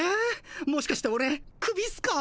もしかしてオレクビっすか？